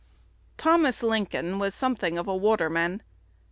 THOMAS LINCOLN was something of a waterman.